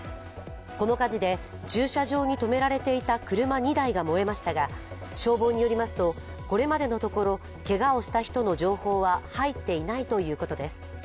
この火事で駐車場に止められていた車２台が燃えましたが、消防によりますと、これまでのところけがをした人の情報は入っていないということです。